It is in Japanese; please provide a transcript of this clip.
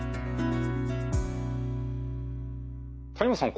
谷本さん